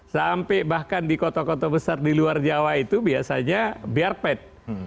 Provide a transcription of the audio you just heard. sampai bahkan di kota kota besar di luar jawa itu biasanya biar pet